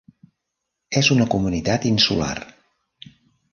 És una comunitat insular.